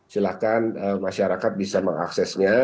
silahkan masyarakat bisa mengaksesnya